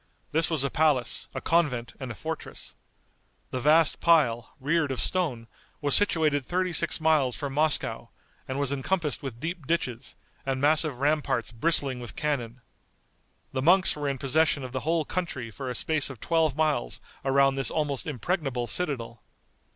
This was a palace, a convent and a fortress. The vast pile, reared of stone, was situated thirty six miles from Moscow, and was encompassed with deep ditches, and massive ramparts bristling with cannon. The monks were in possession of the whole country for a space of twelve miles around this almost impregnable citadel.